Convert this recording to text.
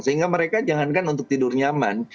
sehingga mereka jangankan untuk tidur nyaman